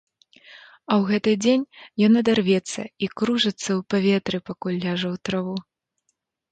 А ў гэты дзень ён адарвецца і кружыцца ў паветры, пакуль ляжа ў траву.